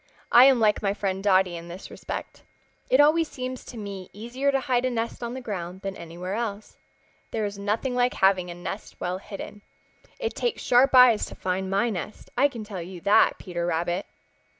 I am like my friend Dotty in this respect. It always seems to me easier to hide a nest on the ground than anywhere else. There is nothing like having a nest well hidden. It takes sharp eyes to find my nest, I can tell you that, Peter Rabbit."